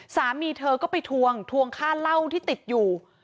แต่ถ้าเล่าที่ติดอยู่